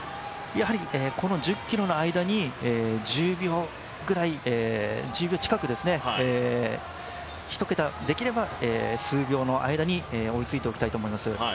やはりこの１０ｋｍの間に１０秒近く、１桁、できれば数秒の間に追いついておきたいと思います。